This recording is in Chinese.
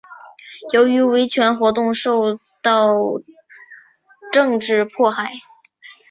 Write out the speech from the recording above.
由于维权活动受到政治迫害。